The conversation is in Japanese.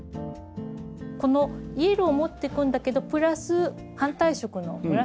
このイエローを持っていくんだけどプラス反対色の紫ですね。